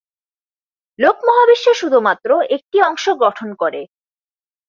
লোক মহাবিশ্ব শুধুমাত্র একটি অংশ গঠন করে।